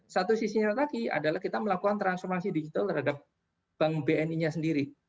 satu sisinya lagi adalah kita melakukan transformasi digital terhadap bank bni nya sendiri